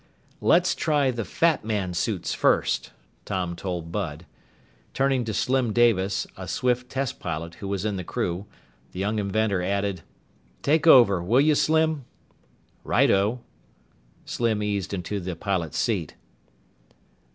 "Let's try the Fat Man suits first," Tom told Bud. Turning to Slim Davis, a Swift test pilot who was in the crew, the young inventor added, "Take over, will you, Slim?" "Righto." Slim eased into the pilot's seat.